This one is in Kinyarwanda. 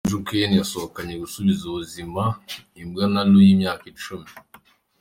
Andrew Klein yarashoboye gusubiza ubuzima imbwa Nalu y'imyaka cumi.